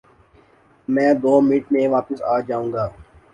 میں دو منٹ میں واپس آ جاؤں گا